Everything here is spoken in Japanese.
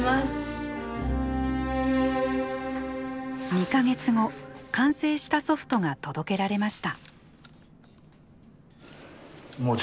２か月後完成したソフトが届けられました。